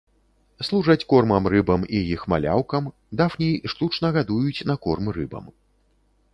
Служаць кормам рыбам і іх маляўкам, дафній штучна гадуюць на корм рыбам.